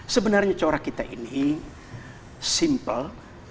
sebenarnya corak kita ini simple